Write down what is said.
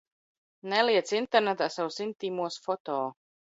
Neliec internetā savus intīmos foto!